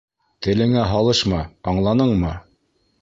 Телеңә һалышма, аңланыңмы?